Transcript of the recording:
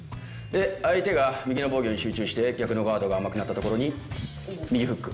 で相手が右の防御に集中して逆のガードが甘くなったところに右フック。